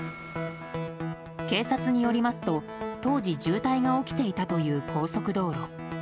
警察によりますと当時、渋滞が起きていたという高速道路。